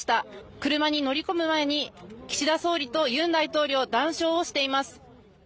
車に乗り込む前に岸田総理とユン大統領、談笑をしています。